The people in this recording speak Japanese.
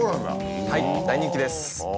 はい大人気です。